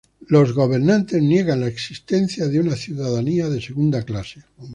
Los gobernantes niegan la existencia de una ciudadanía de segunda clase.